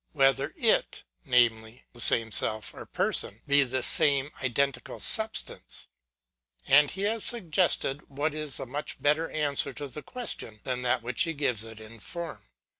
Whether it, i.e., the same self or person, be the same identical substance ? And he has suggested what is a much better answer to the question, than that which he gives it in form.